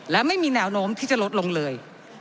และไม่มีแนวโน้มที่จะลดลงเลย